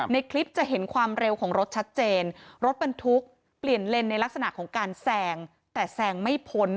ในคลิปจะเห็นความเร็วของรถชัดเจนรถบรรทุกเปลี่ยนเลนในลักษณะของการแซงแต่แซงไม่พ้น